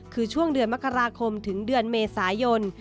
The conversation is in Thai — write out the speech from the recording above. คือช่วงเดือนมกราคมถึงเดือนเมษายน